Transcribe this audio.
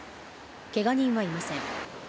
けが人はいません。